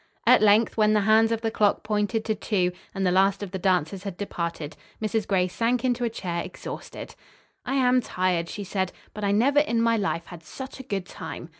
At length, when the hands of the clock pointed to two, and the last of the dancers had departed, Mrs. Gray sank into a chair exhausted. "I am tired," she said, "but I never in my life had such a good time!"